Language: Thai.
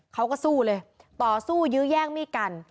เขาก็สู้เลยต่อสู้ยื้อแย่งมีดกัน